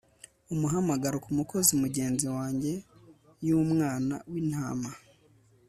Umuhamagaro ku Mukozi Mugenzi Wanjye yUmwana wIntama